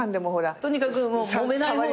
とにかくもめない方に。